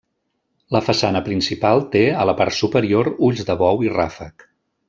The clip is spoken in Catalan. La façana principal té, a la part superior, ulls de bou i ràfec.